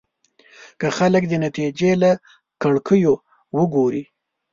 که خلک د نتيجې له کړکيو وګوري.